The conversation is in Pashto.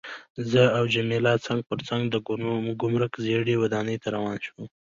زه او جميله څنګ پر څنګ د ګمرک زړې ودانۍ ته روان شوو.